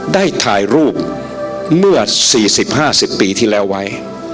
ได้ถ่ายรูปเมื่อ๔๐๕๐ปีที่แล้วไว้